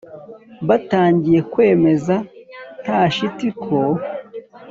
batangiye kwemeza nta shiti ko